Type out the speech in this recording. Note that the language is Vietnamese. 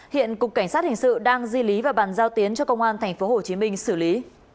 hiện cục cảnh sát hình sự đang di lý và bàn giao tiến cho công an tp hcm xử lý